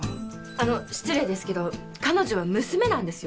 あの失礼ですけど彼女は娘なんですよ。